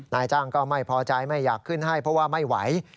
นายจ้างก็ไม่พอใจไม่อยากขึ้นให้เพราะว่าไม่ไหว